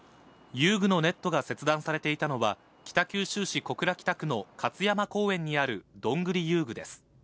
遊具のネットが切断されていたのは、北九州市小倉北区の勝山公園にあるどんぐり遊具です。